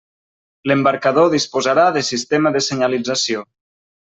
L'embarcador disposarà de sistema de senyalització.